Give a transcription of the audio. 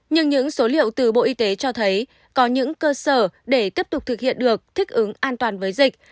nhưng những số liệu từ bộ y tế cho thấy có những cơ sở để tiếp tục thực hiện được thích ứng an toàn với dịch